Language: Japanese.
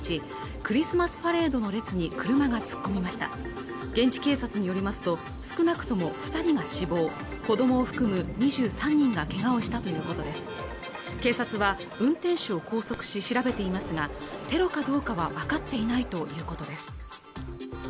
クリスマスパレードの列に車が突っ込みました現地警察によりますと少なくとも二人が死亡子どもを含む２３人がけがをしたということで警察は運転手を拘束し調べていますがテロかどうかはわかっていないということです